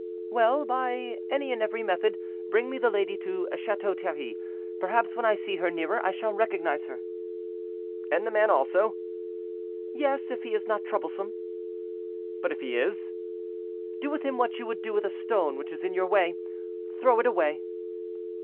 "Well, by any and every method, bring me the lady to Chateau Thierry; perhaps when I see her nearer I shall recognize her." "And the man also?" "Yes; if he is not troublesome." "But if he is?" "Do with him what you would do with a stone which is in your way—throw it away."